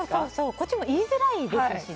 こっちも言いづらいですしね。